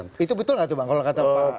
itu betul nggak tuh bang kalau kata pak